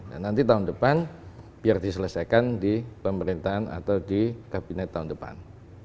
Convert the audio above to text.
dan nanti tahun depan biar diselesaikan di pemerintahan atau di kabinet tahun depan